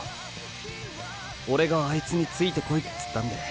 オレがあいつに「ついてこい」っつったんで。